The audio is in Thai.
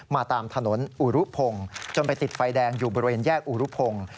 มาตามถนนอุรุพงศ์จนไปติดไฟแดงอยู่บริเวณแยกอุรุพงศ์